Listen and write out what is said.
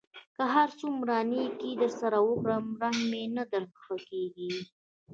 که هر څومره نېکي در سره وکړم؛ رنګ مې نه در ښه کېږي.